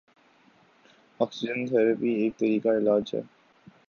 oxygen therapy ایک طریقہ علاج ہے